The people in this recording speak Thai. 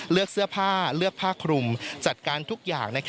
เลือกเสื้อผ้าเลือกผ้าคลุมจัดการทุกอย่าง